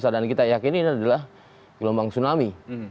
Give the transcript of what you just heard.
dan kita yakin ini adalah gelombang tsunami